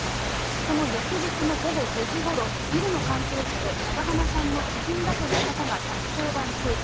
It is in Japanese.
その翌日の午後５時ごろ、ビルの関係者で長濱さんの知人だという方が１１０番通報。